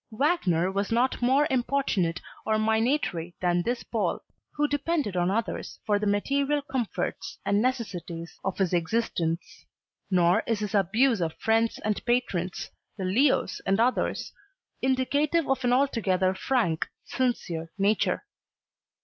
Wagner was not more importunate or minatory than this Pole, who depended on others for the material comforts and necessities of his existence. Nor is his abuse of friends and patrons, the Leos and others, indicative of an altogether frank, sincere nature.